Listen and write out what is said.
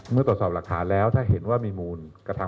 เมื่อตรวจสอบรักษาแล้วถ้าเห็นว่ามีมูล